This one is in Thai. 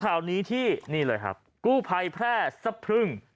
ข่าวนี้ที่นี่เลยครับกู้ภัยแพร่สะพรึ่ง